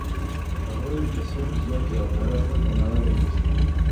هغوی د صرب ځمکې او بیرغ ته درناوی لري.